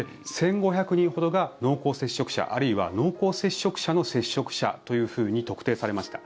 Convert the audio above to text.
１５００人ほどが濃厚接触者あるいは濃厚接触者の接触者というふうに特定されました。